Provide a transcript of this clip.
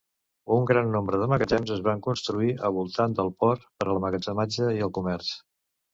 Un gran nombre de magatzems es van construir a voltant del port per a l'emmagatzematge i el comerç.